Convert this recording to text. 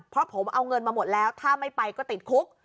เพราะผมเอาเงินมาหมดแล้วถ้าไม่ไปก็ติดคุก